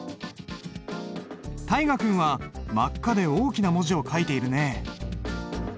大河君は真っ赤で大きな文字を書いているね。